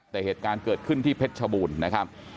แต่เหตุการณ์เกิดขึ้นที่เพชรชบูรณ์นะครับ